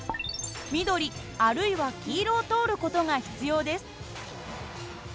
緑あるいは黄色を通る事が必要です。